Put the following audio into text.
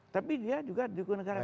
tapi dia juga dukun negara